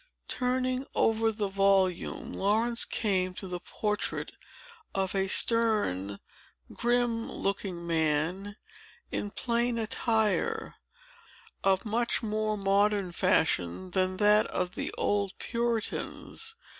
Turning over the volume, Laurence came to the portrait of a stern, grim looking man, in plain attire, of much more modern fashion than that of the old Puritans.